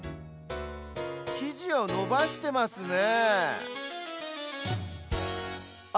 きじをのばしてますねえあ！